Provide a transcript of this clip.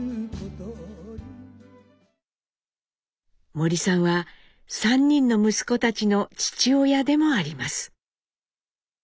森さんは３人の息子たちの父親でもあります。